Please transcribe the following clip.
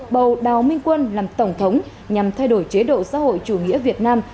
bầu đào minh quân làm tổng thống nhằm thay đổi chế độ xã hội chủ nghĩa việt nam